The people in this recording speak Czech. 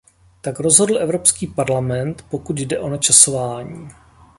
Tak rozhodl Evropský parlament, pokud jde o načasování.